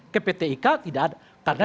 ke pt ika tidak ada karena